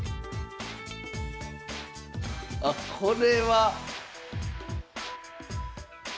あっこれは。